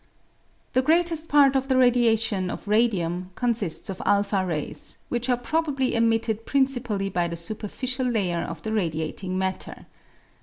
The greatest part of the radiation of radium consists of o rays, which are probably emitted principally by the superficial layer of the radiating matter.